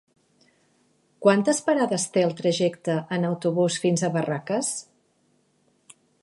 Quantes parades té el trajecte en autobús fins a Barraques?